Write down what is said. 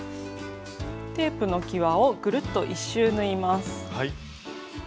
テープのきわをぐるっと１周縫います。